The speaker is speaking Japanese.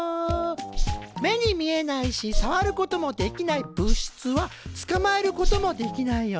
目に見えないしさわることもできない物質はつかまえることもできないよね。